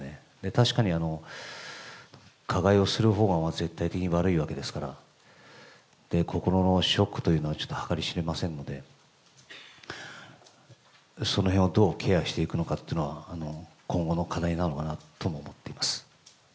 確かに加害をするほうが絶対的に悪いわけですから、心のショックというのはちょっと計り知れませんので、そのへんをどうケアしていくのかというのは、今後の課題なのかなと思っています。